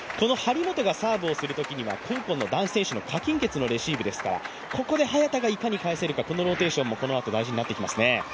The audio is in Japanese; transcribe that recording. サーブをするときには香港の男子選手の何鈞傑のレシーブですからここで早田がいかに返せるかここのローテーションもこのあと大事になってきますね。